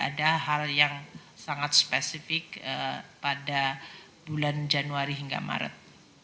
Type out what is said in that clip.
ada hal yang sangat spesifik pada bulan januari hingga maret